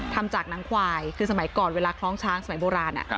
ทำจากหนังควายคือสมัยก่อนเวลาคล้องช้างสมัยโบราณ